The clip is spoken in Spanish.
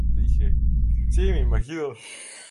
T como sí mismo.